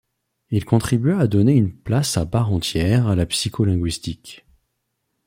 Il contribua à donner une place à part entière à la psycholinguistique.